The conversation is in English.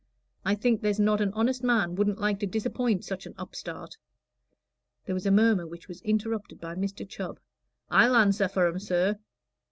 I think there's not an honest man wouldn't like to disappoint such an upstart." There was a murmur which was interpreted by Mr. Chubb. "I'll answer for 'em, sir."